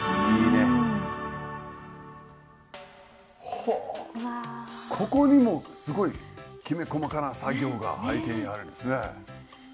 ほうここにもすごいきめ細かな作業が背景にあるんですね。